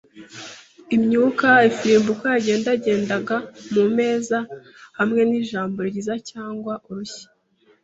imyuka, ifirimbi uko yagendagendaga mu meza, hamwe n'ijambo ryiza cyangwa urushyi